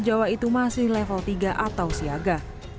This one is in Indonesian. jawa itu masih level tiga atau siaga